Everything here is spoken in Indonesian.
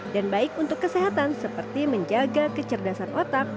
dan baik untuk kesehatan seperti menjaga kecerdasan otak